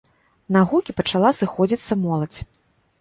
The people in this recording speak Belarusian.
На гукі пачала сыходзіцца моладзь.